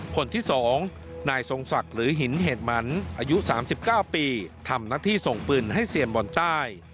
คนที่๒นายทรงศักดิ์หรือหินเหตุมันอายุ๓๙ปีทำหน้าที่ส่งปืนให้เซียนบอลใต้